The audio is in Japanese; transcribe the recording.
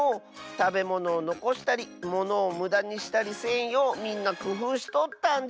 たべものをのこしたりものをむだにしたりせんようみんなくふうしとったんじゃ。